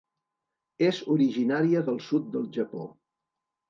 És originària del sud del Japó.